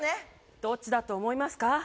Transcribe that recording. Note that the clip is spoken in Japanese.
どっちだと思いますか？